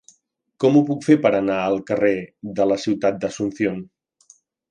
Com ho puc fer per anar al carrer de la Ciutat d'Asunción?